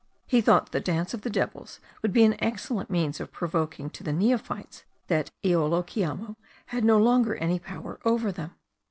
He thought that the dance of the devils would be an excellent means of proving to the neophytes that Iolokiamo had no longer any power over them.